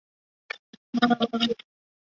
川北钩距黄堇为罂粟科紫堇属下的一个种。